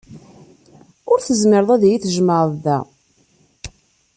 Ur tezmireḍ ad iyi-tjemɛeḍ da.